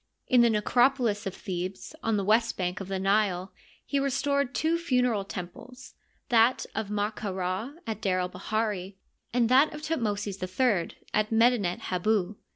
In the necropolis of Thebes, on the west bank of the Nile, he restored two funereal temples, that of Ma ka Ra at D^r el bahiri, and that of Thutmosis III at Medinet Hibu.